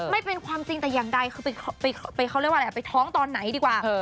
ไม่เป็นความจริงแต่อย่างใดคือไปท้องตอนไหนดีกว่า